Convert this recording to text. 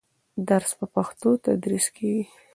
درس په پښتو تدریس کېږي.